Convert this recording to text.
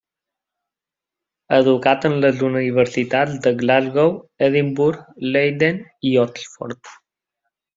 Educat en les universitats de Glasgow, Edimburg, Leiden i Oxford.